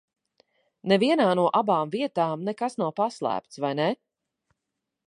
Nevienā no abām vietām nekas nav paslēpts, vai ne?